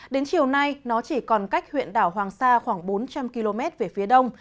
đến chiều nay nó chỉ còn cách huyện đảo hoàng sa khoảng bốn trăm linh km về phía đông